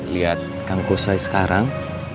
lihat kang kusoi sekarang